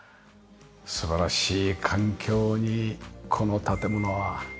素晴らしい環境にこの建物は立ってます。